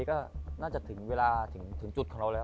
ก็น่าจะถึงเวลาถึงจุดของเราแล้ว